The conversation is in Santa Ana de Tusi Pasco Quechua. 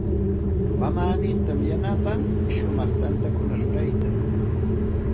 Mamaaninta yanapan shumaq tantakuna rurayta.